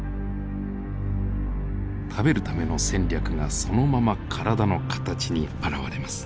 食べるための戦略がそのまま体の形に表れます。